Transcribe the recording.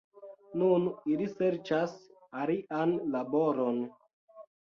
Nun li serĉas alian laboron.